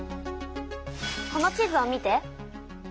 この地図を見て。